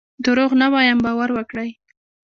دروغ نه وایم باور وکړئ.